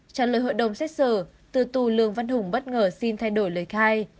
trả lời hội đồng xét xử từ tù lường văn hùng bất ngờ xin thay đổi lời khai